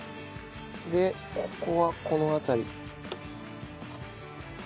でここはこの辺り。